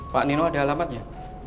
pak nino ada alamatnya